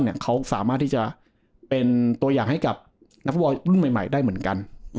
เขาสามารถที่จะเป็นตัวอย่างให้กับนักฟุตบอลรุ่นใหม่ได้เหมือนกัน